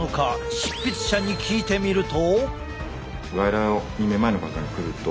執筆者に聞いてみると。